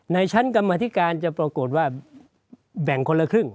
ชั้นกรรมธิการจะปรากฏว่าแบ่งคนละครึ่ง